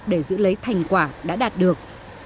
để giữ lấy thành quả đã đạt được